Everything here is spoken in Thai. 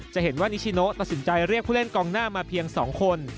จะเห็นว่านิชิโนตัดสินใจเรียกผู้เล่นกองหน้ามาเพียง๒คน